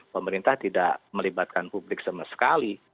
pemerintah tidak melibatkan publik sama sekali